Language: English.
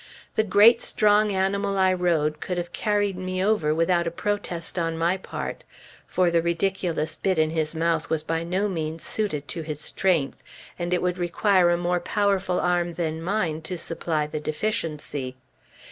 The great, strong animal I rode could have carried me over without a protest on my part; for the ridiculous bit in his mouth was by no means suited to his strength; and it would require a more powerful arm than mine to supply the deficiency.